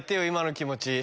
今の気持ち。